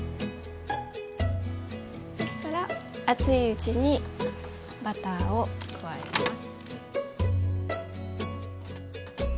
そしたら熱いうちにバターを加えます。